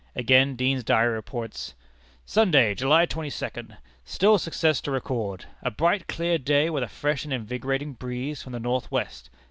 Again Deane's Diary reports: "Sunday, July 22d. Still success to record. A bright clear day, with a fresh and invigorating breeze from the north west.